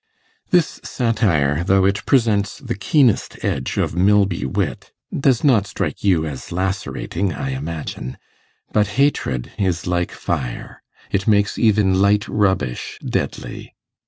_ This satire, though it presents the keenest edge of Milby wit, does not strike you as lacerating, I imagine. But hatred is like fire it makes even light rubbish deadly.